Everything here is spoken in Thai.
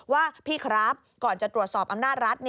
ว่าพี่ครับก่อนจะตรวจสอบอำนาจรัฐ